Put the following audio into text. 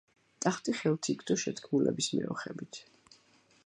ტახტი ხელთ იგდო შეთქმულების მეოხებით.